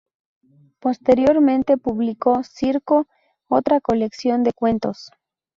Posteriormente publicó "Circo", otra colección de cuentos.